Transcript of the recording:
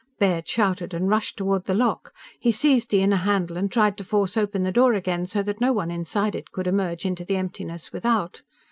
Baird shouted, and rushed toward the lock. He seized the inner handle and tried to force open the door again, so that no one inside it could emerge into the emptiness without.